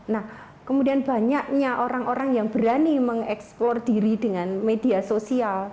nah kemudian banyaknya orang orang yang berani mengeksplor diri dengan media sosial